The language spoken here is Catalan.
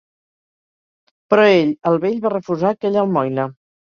Però ell, el vell va refusar aquella almoina.